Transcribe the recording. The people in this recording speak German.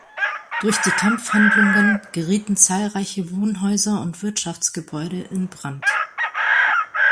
Durch die Kampfhandlungen gerieten zahlreiche Wohnhäuser und Wirtschaftsgebäude in Brand.